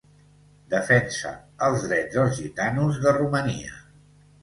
Defensa els drets dels gitanos de Romania.